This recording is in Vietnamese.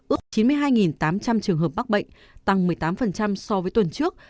ước chín mươi hai tám trăm linh trường hợp mắc bệnh tăng một mươi tám so với tuần trước